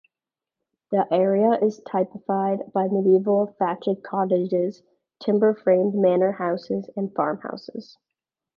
The area is typified by medieval thatched cottages, timber-framed manor houses and farmhouses.